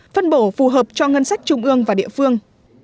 phân bổ phù hợp cho ngân sách trung ương và địa phương